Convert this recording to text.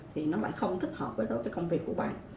thì nó lại không thích hợp với công việc của bạn